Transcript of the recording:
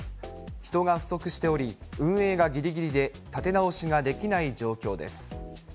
人が不足しており、運営がぎりぎりで立て直しができない状況です。